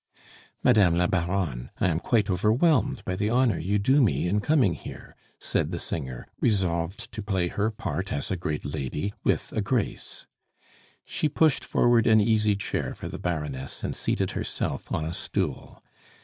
"Madame la Baronne, I am quite overwhelmed by the honor you do me in coming here," said the singer, resolved to play her part as a great lady with a grace. She pushed forward an easy chair for the Baroness and seated herself on a stool.